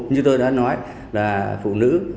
như tôi đã nói là phụ nữ